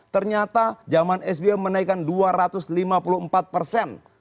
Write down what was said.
ternyata zaman sbm menaikkan dua ratus lima puluh empat persen